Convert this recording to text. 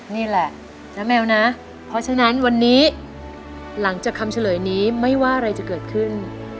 นี่แหละนะแมวนะเพราะฉะนั้นวันนี้หลังจากคำเฉลยนี้ไม่ว่าอะไรจะเกิดขึ้น